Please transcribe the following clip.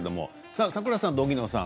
さくらさんと荻野さん